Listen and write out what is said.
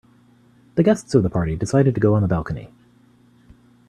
The guests of the party decided to go on the balcony.